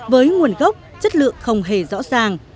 với nguồn gốc chất lượng không hề rõ ràng